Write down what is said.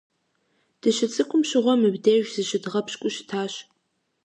Дыщыцӏыкӏум щыгъуэ мыбдеж зыщыдгъэпщкӏуу щытащ.